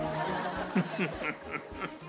フフフフ。